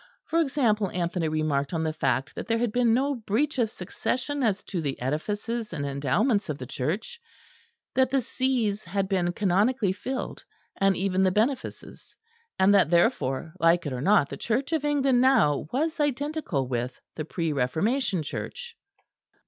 For example, Anthony remarked on the fact that there had been no breach of succession as to the edifices and endowments of the Church; that the sees had been canonically filled, and even the benefices; and that therefore, like it or not, the Church of England now was identical with the Pre Reformation Church.